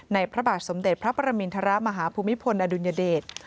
พระบาทสมเด็จพระประมินทรมาฮภูมิพลอดุลยเดช